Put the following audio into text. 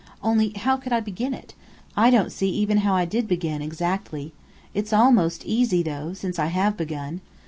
"Only how could I begin it? I don't see even now how I did begin, exactly. It's almost easy though, since I have begun.